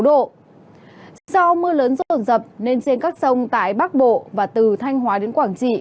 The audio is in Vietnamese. do mưa lớn rồn rập nên trên các sông tại bắc bộ và từ thanh hóa đến quảng trị